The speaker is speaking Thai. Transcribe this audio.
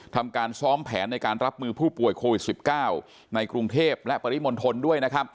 ทำการซ้อมแผนในการรับมือผู้ป่วยโควิด๑๙ในกรุงเทพและปริมณฑลด้วยนะครับ